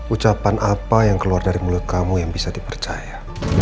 ucapan apa yang keluar dari mulut kamu yang bisa dipercaya